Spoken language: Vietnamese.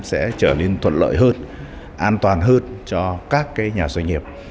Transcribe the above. sẽ trở nên thuận lợi hơn an toàn hơn cho các nhà doanh nghiệp